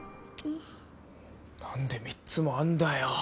なんで３つもあんだよ！？